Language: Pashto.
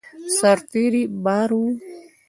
سرتېري بار وو.